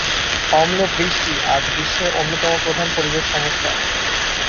অম্লবৃষ্টি আজ বিশ্বের অন্যতম প্রধান পরিবেশ সমস্যা।